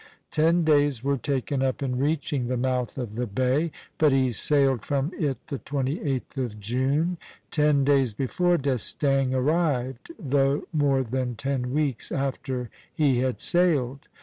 Ten days were taken up in reaching the mouth of the bay; but he sailed from it the 28th of June, ten days before D'Estaing arrived, though more than ten weeks after he had sailed.